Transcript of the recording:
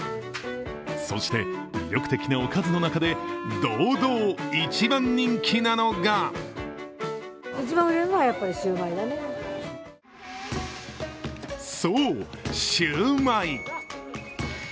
そして、魅力的なおかずの中で堂々一番人気なのがそう、シューマイ。